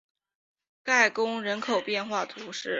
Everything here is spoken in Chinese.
盖贡人口变化图示